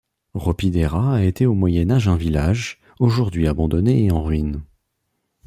Ropidera a été au Moyen Âge un village, aujourd'hui abandonné et en ruines.